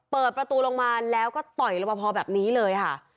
เปิดประตูลงมาแล้วก็ต่อยรบพอแบบนี้เลยค่ะ